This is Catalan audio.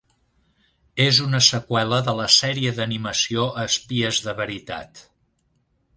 És una seqüela de la sèrie d'animació Espies de veritat.